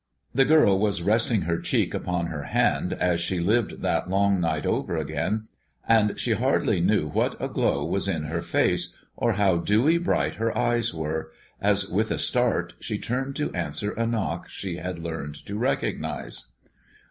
The girl was resting her cheek upon her hand as she lived that long night over again, and she hardly knew what a glow was in her face, or how dewy bright her eyes were, as with a start she turned to answer a knock she had learned to recognize.